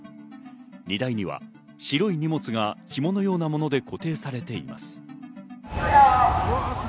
荷台には白い荷物がひものようなもので固定されています。